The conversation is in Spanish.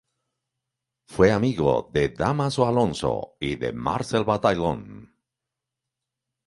Fue amigo de Dámaso Alonso y de Marcel Bataillon.